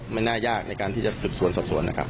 ไม่น่ายากในการที่จะสืบสวนสอบสวนนะครับ